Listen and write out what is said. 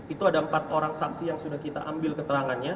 itu ada empat orang saksi yang sudah kita ambil keterangannya